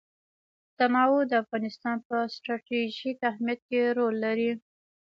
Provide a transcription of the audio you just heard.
تنوع د افغانستان په ستراتیژیک اهمیت کې رول لري.